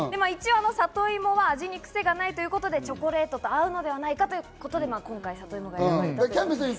味にクセがないということでチョコレートと合うのではないかということで今回さといもが選ばれました。